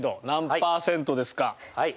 はい。